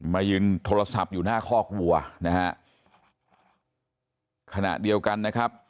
มายืนโทรศัพท์อยู่หน้าคอกวัวนะฮะขณะเดียวกันนะครับ